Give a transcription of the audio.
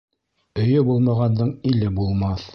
Өйө булмағандың иле булмаҫ.